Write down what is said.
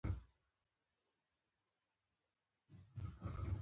دا پېښې په اته سوه شپږ څلوېښت او لس سوه شپاړس میلادي کلونو وشوې.